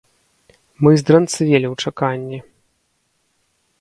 Мы здранцвелі ў чаканні.